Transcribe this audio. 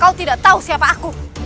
kau tidak tahu siapa aku